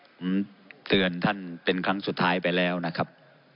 ผมเตือนท่านเป็นครั้งสุดท้ายไปแล้วนะครับ